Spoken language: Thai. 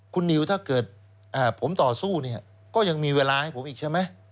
คุณนิวถ้าเกิดผมต่อสู้เนี่ยก็ยังมีเวลาให้ผมอีกใช่ไหม